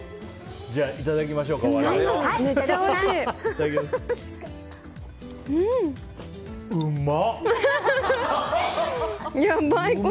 じゃあ、いただきましょうか我々も。